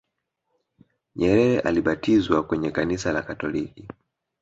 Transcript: nyerere alibatizwa kwenye kanisa la katoliki